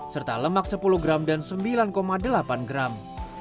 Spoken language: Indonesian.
serta lemak sepuluh gram dan sembilan delapan gram